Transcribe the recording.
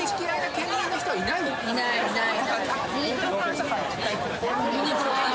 いないいない。